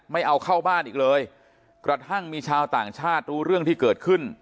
ไม่เอาเข้าบ้านอีกเลยกระทั่งมีชาวต่างชาติรู้เรื่องที่เกิดขึ้น